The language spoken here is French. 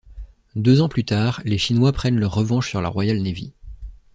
Deux ans plus tard, les Chinois prennent leur revanche sur la Royal Navy.